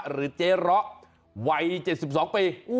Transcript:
หรือเจ๊หรอวัย๗๒ปี